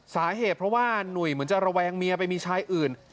สาเหตุเพราะว่าหนุ่ยเหมือนจะระแวงเมียไปมีชายอื่น